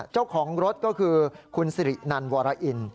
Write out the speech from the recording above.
เจ้าของรถก็คือคุณสิรินันวรอิน